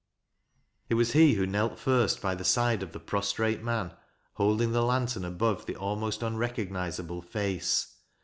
It was he who knelt first by the side of the prostrate man, holding the lantern above the almost unrecognizable face.